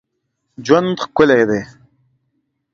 ژوند ښکلی دی.